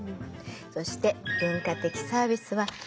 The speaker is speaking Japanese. そして文化的サービスはレジャー